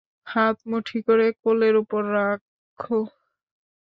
হাত মুঠি করে কোলের উপর রাখা।